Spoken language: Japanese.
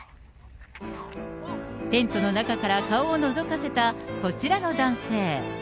テントの中から顔をのぞかせたこちらの男性。